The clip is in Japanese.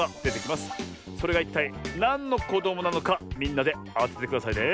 それがいったいなんのこどもなのかみんなであててくださいね。